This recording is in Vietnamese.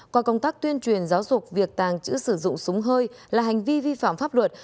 qua công tác tuyên truyền giáo dục việc tàng trữ sử dụng súng hơi là hành vi vi phạm pháp luật